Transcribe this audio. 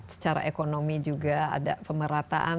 secara ekonomi juga ada pemerataan